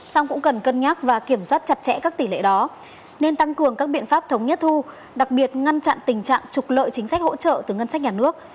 song cũng cần cân nhắc và kiểm soát chặt chẽ các tỷ lệ đó nên tăng cường các biện pháp thống nhất thu đặc biệt ngăn chặn tình trạng trục lợi chính sách hỗ trợ từ ngân sách nhà nước